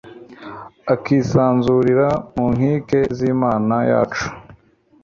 akisanzurira mu nkike z’Imana yacu